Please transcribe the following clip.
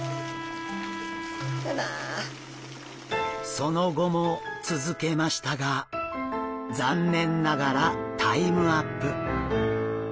その後も続けましたが残念ながらタイムアップ！